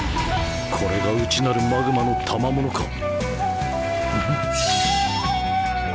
これが内なるマグマのたまものか